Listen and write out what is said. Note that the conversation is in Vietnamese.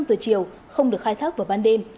năm giờ chiều không được khai thác vào ban đêm